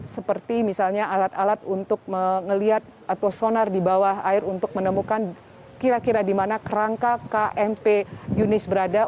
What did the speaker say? seperti misalnya alat alat untuk melihat atau sonar di bawah air untuk menemukan kira kira di mana kerangka kmp yunis berada